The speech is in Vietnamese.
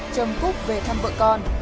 chồng cúc về thăm vợ con